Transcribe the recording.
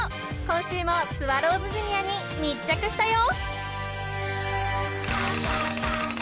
［今週もスワローズジュニアに密着したよ］